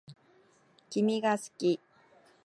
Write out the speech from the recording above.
君が好き